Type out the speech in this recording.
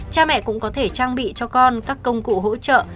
cha mẹ cũng có thể trang bị cho con các công cụ hỗ trợ